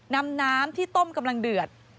นำน้ำที่ต้มกำลังเดือด